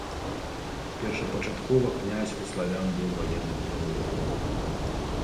Першапачаткова князь у славян быў ваенным правадыром.